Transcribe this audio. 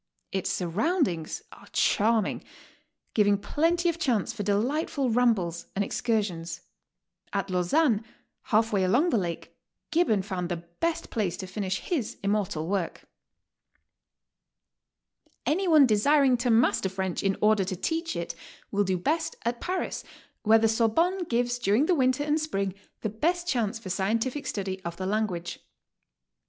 Its surroundings are charming, giving plenty of chance for delightful rambles and excursions. At Lausanne, half way along the lake, Gibbon found the best place to finisih his immortal work. Any one desiring to master French in order to teach it, will do best at Paris, where the Sorbonne gives during the winter and spring the best chance for scientific study of the language.